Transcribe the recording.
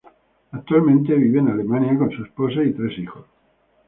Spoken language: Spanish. Actualmente vive en Alemania con su esposa y tres hijos.